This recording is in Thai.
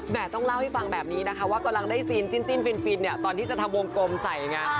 แหม่ต้องเล่าให้ฟังแบบนี้นะคะว่ากำลังได้ซีนจิ้นจิ้นฟินฟินเนี่ยตอนที่จะทำวงกลมใส่อย่างเงี้ย